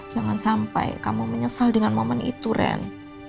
jangan sampai kamu menyesal dengan momen itu ren